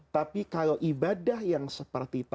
tapi kalau ibadah yang seperti tadi